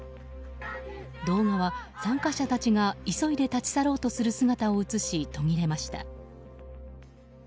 動画は参加者たちが急いで立ち去ろうとする姿を映し途切れました。